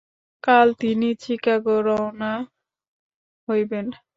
কাল তিনি চিকাগো রওনা হইবেন।